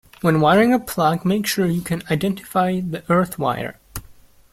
When wiring a plug, make sure you can identify the earth wire